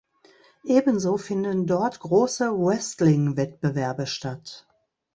Ebenso finden dort große Wrestling-Wettbewerbe statt.